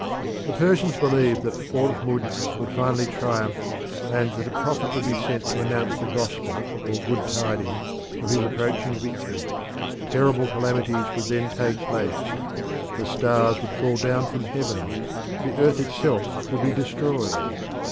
The Persians believed that Ormuzd would finally triumph, and that a prophet would be sent to announce the gospel or good tidings of his approaching victory. Terrible calamities would then take place; the stars would fall down from heaven; the earth itself would be destroyed.